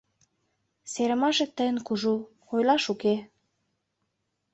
Серымашет тыйын кужу — ойлаш уке.